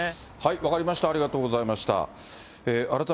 分かりました、ありがとうございました。